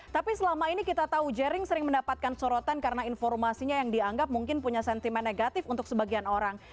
tapi selama ini kita tahu jering sering mendapatkan sorotan karena informasinya yang dianggap mungkin punya sentimen negatif untuk sebagian orang